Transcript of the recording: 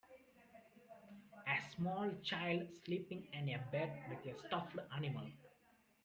A small child sleeping in a bed with a stuffed animal.